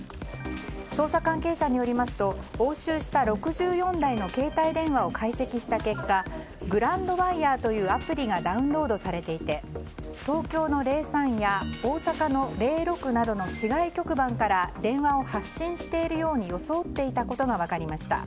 捜査関係者によりますと押収した６４台の携帯電話を解析した結果グランドワイヤーというアプリがダウンロードされていて東京の「０３」や大阪の「０６」などの市外局番から電話を発信しているように装っていたことが分かりました。